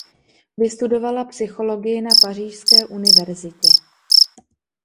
Vystudovala psychologii na Pařížské univerzitě.